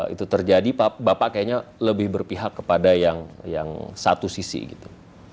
itu terjadi bapak kayaknya lebih berpihak kepada yang satu sisi gitu